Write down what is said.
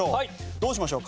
どうしましょう？